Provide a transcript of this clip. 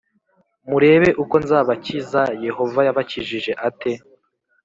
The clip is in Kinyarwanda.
murebe uko nzabakiza Yehova yabakijije ate